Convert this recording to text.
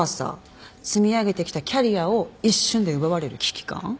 積み上げてきたキャリアを一瞬で奪われる危機感。